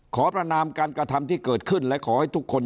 ประนามการกระทำที่เกิดขึ้นและขอให้ทุกคน